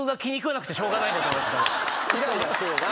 イライラしてるな。